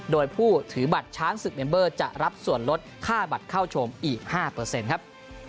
โดยผู้ถือบัตรช้างศึกเมมเบอร์จะรับส่วนลดค่าบัตรเข้าชมอีก๕ครับ